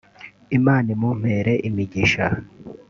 Imana imumpere imigisha